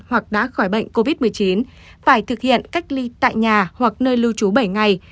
hoặc đã khỏi bệnh covid một mươi chín phải thực hiện cách ly tại nhà hoặc nơi lưu trú bảy ngày